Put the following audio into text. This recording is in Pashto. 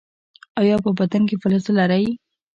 ایا په بدن کې فلز لرئ؟